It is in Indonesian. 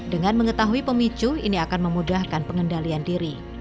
dengan mengetahui pemicu ini akan memudahkan pengendalian diri